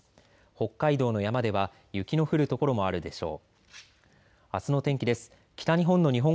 北海道の山では雪の降る所もあるでしょう。